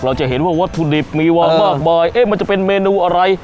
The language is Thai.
เราจะเห็นว่าวัตถุดิบมีวางมากมายเอ๊ะมันจะเป็นเมนูอะไร